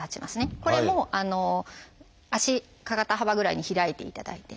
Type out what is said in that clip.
これも足肩幅ぐらいに開いていただいて。